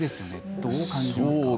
どう感じますか？